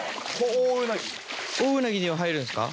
オオウナギには入るんすか？